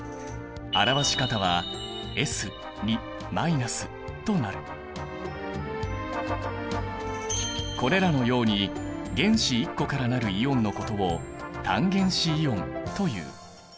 表し方はこれらのように原子１個から成るイオンのことを単原子イオンという。